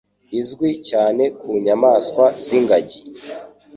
izwi cyane ku nyamaswa z'Ingagi.